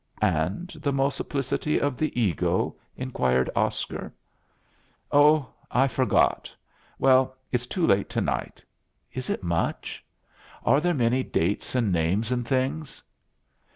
"And the multiplicity of the ego?" inquired Oscar. "Oh, I forgot. Well, it's too late tonight. Is it much? Are there many dates and names and things?"